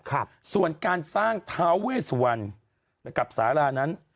ครับส่วนการสร้างท้าเวสวันนะครับกับสารานั้น